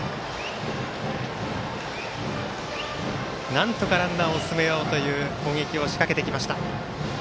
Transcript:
なんとかランナーを進めようという攻撃を仕掛けてきました。